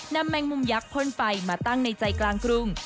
แมงมุมยักษ์พ่นไฟมาตั้งในใจกลางกรุง